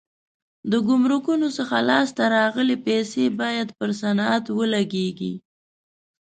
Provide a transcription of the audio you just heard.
د ګمرکونو څخه لاس ته راغلي پیسې باید پر صنعت ولګېږي.